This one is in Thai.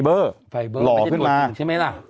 อวยพรไป